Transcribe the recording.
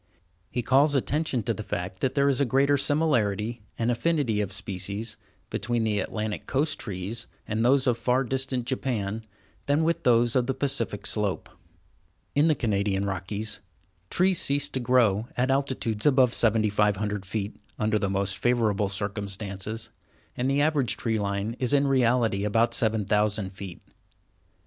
He calls attention to the fact that there is a greater similarity, and affinity of species, between the Atlantic Coast trees and those of far distant Japan, than with those of the Pacific slope. [Illustration: Upper Bow Lake. Looking south.] In the Canadian Rockies, trees cease to grow at altitudes above 7500 feet, under the most favorable circumstances, and the average tree line is in reality about 7000 feet.